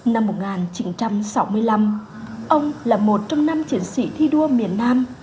năm một nghìn chín trăm sáu mươi năm ông là một trong năm chiến sĩ thi đua miền nam